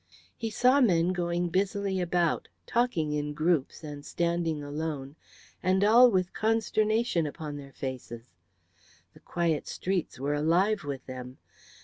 He saw men going busily about, talking in groups and standing alone, and all with consternation upon their faces. The quiet streets were alive with them.